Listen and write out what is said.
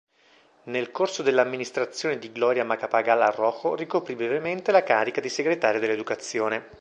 Nel corso dell'amministrazione di Gloria Macapagal-Arroyo ricoprì brevemente la carica di Segretario dell'Educazione.